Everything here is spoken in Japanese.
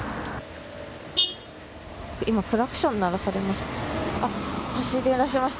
今、クラクション鳴らされていました。